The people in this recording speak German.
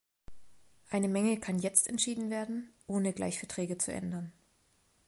Eine Menge kann jetzt entschieden werden, ohne gleich Verträge zu ändern.